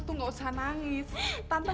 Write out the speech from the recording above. jangan jangan jangan tante